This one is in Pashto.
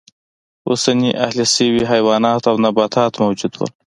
اوسني اهلي شوي حیوانات او نباتات موجود و.